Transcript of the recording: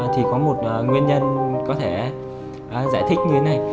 thì có một nguyên nhân có thể giải thích như thế này